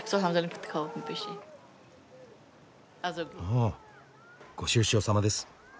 あご愁傷さまです。